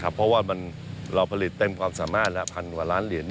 เพราะว่าเราผลิตเต็มความสามารถละพันกว่าล้านเหรียญ